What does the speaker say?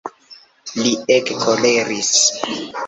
Li ege koleris.